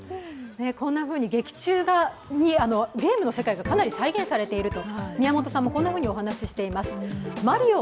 こんなふうに劇中にゲームの世界がかなり再現されていると。